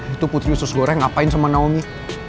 itu putri usus goreng ngapain sama naomi